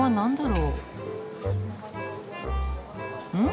うん？